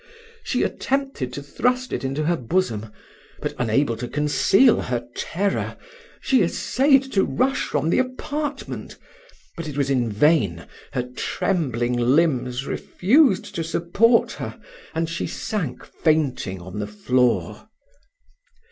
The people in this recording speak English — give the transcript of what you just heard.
She attempted to thrust it into her bosom; but, unable to conceal her terror, she essayed to rush from the apartment but it was in vain: her trembling limbs refused to support her, and she sank fainting on the floor.